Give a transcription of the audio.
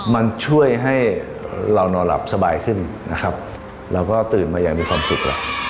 มันช่วยให้เรานอนหลับสบายขึ้นนะครับเราก็ตื่นมาอย่างมีความสุขล่ะ